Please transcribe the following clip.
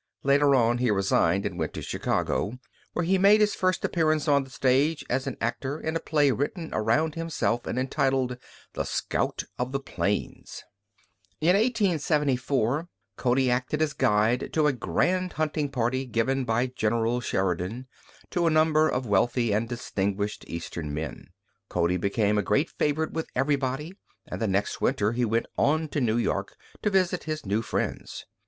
Later on he resigned and went to Chicago, where he made his first appearance on the stage as an actor in a play written around himself and entitled, "The Scout of the Plains." In 1874 Cody acted as guide to a grand hunting party given by General Sheridan to a number of wealthy and distinguished Eastern men. Cody became a great favorite with everybody, and the next winter he went on to New York to visit his new friends.